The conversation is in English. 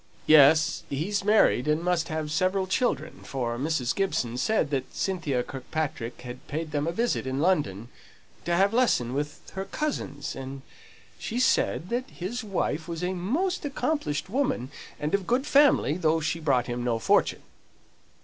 "Yes, he's married, and must have several children, for Mrs. Gibson said that Cynthia Kirkpatrick had paid them a visit in London, to have lessons with her cousins. And she said that his wife was a most accomplished woman, and of good family, though she brought him no fortune."